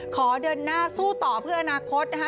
ขอเดินหน้าสู้ต่อเพื่ออนาคตนะคะ